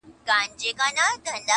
په قسمت کي یې تغییر نه وي لیکلی،